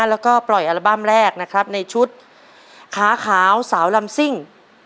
แล้วก็ปล่อยอัลบั้มแรกนะครับในชุดขาขาวสาวลำซิ่ง